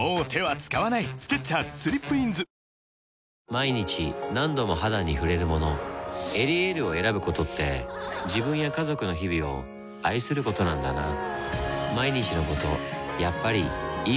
毎日何度も肌に触れるもの「エリエール」を選ぶことって自分や家族の日々を愛することなんだなぁ